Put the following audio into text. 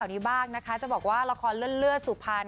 ตอนนี้บ้างจะบอกว่าละครเลิศเลือดสุพรรณ